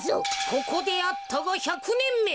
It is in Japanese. ここであったが１００ねんめ。